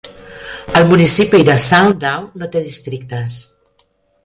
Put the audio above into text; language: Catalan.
El municipi de Sundown no té districtes.